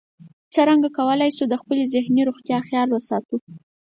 څرنګه کولی شو د خپلې ذهني روغتیا خیال وساتو